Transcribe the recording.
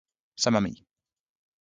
sama mi.